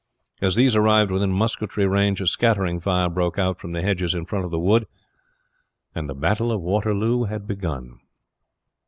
As these arrived within musketry range a scattering fire broke out from the hedges in front of the wood, and the battle of Waterloo had begun.